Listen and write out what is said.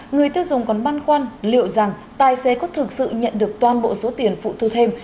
người tiêu dùng còn băn khoăn liệu rằng tài xế có thực sự nhận được toàn bộ số tiền phụ thu thêm